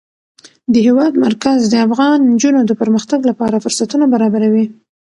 د هېواد مرکز د افغان نجونو د پرمختګ لپاره فرصتونه برابروي.